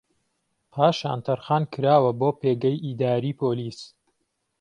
پاشان تەرخان کراوە بۆ پێگەی ئیداریی پۆلیس